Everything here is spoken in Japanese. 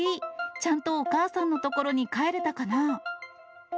ちゃんとお母さんの所に帰れたかな？